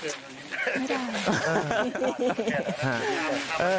เออ